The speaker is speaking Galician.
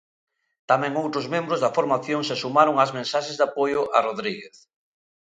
Tamén outros membros da formación se sumaron ás mensaxes de apoio a Rodríguez.